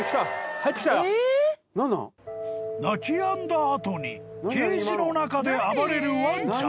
［鳴きやんだ後にケージの中で暴れるワンちゃん］